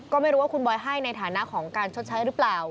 ก็ไม่รู้ว่าคุณบอยให้ในฐานะของการชดใช้หรือเปล่า